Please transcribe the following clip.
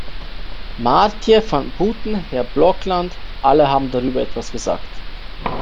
Maartje van Putten, Herr Blokland, alle haben darüber etwas gesagt.